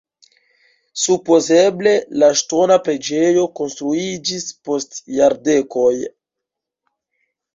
Supozeble la ŝtona preĝejo konstruiĝis post jardekoj.